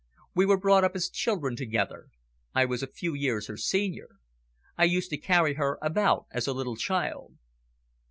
"We were brought up as children together. I was a few years her senior. I used to carry her about as a little child."